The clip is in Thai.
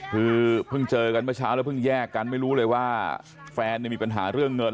คือเพิ่งเจอกันเมื่อเช้าแล้วเพิ่งแยกกันไม่รู้เลยว่าแฟนมีปัญหาเรื่องเงิน